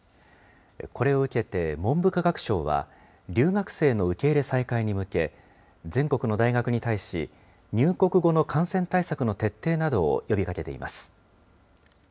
これを受けて、文部科学省は留学生の受け入れ再開に向け、全国の大学に対し、入国後の感染対策の徹底などを呼びかけています。